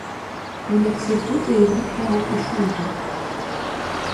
Унапсыргәыҵа ианушәа ауп ишубо.